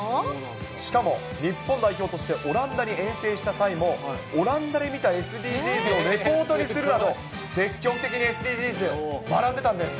しかも、日本代表としてオランダに遠征した際も、オランダで見たＳＤＧｓをレポートにするなど、積極的にＳＤＧｓ、学んでたんです。